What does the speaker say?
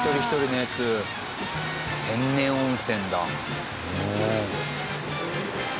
天然温泉だ。